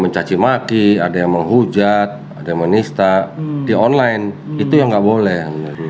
mencaci maki ada yang menghujat ada menista di online itu yang nggak boleh